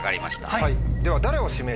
はい！